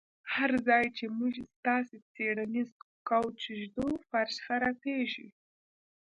هر ځای چې موږ ستاسو څیړنیز کوچ ږدو فرش خرابیږي